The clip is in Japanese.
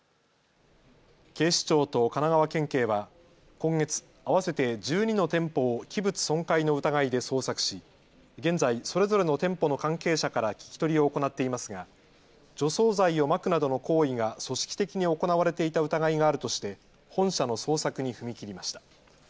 警視庁と神奈川県警は今月、合わせて１２の店舗を器物損壊の疑いで捜索し現在、それぞれの店舗の関係者から聞き取りを行っていますが、除草剤をまくなどの行為が組織的に行われていた疑いがあるとして本社の捜索に踏み切りました。